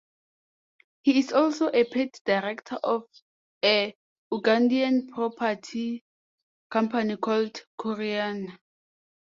He is also a paid director of a Ugandan property company called Corinya.